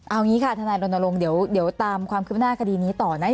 เอางี้ค่ะทนายรณรงค์เดี๋ยวตามความคืบหน้าคดีนี้ต่อนะ